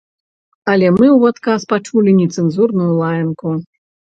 Але мы ў адказ пачулі нецэнзурную лаянку.